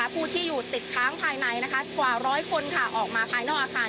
ผู้ที่อยู่ติดค้างภายในกว่าร้อยคนออกมาภายนอกอาคาร